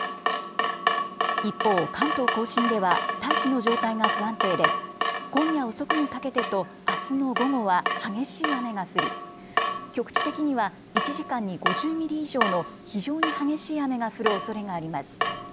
一方、関東甲信では大気の状態が不安定で今夜、遅くにかけてとあすの午後は激しい雨が降り局地的には１時間に５０ミリ以上の非常に激しい雨が降るおそれがあります。